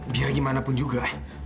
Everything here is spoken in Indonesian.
biar gimana pun juga